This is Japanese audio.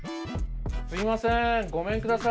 すいませんごめんください。